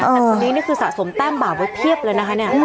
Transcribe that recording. แต่คนนี้นี่คือสะสมแต้มบาปไว้เพียบเลยนะคะเนี่ย